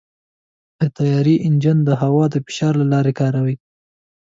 د طیارې انجن د هوا د فشار له لارې کار کوي.